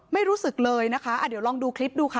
ไม่รู้สึกเลยนะคะเดี๋ยวลองดูคลิปดูค่ะ